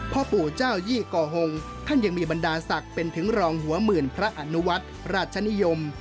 พ่อปู่เจ้ายี่ก่อหงท่านยังมีบรรดาศักดิ์เป็นถึงรองหัวหมื่นพระอนุวัฒน์ราชนิยม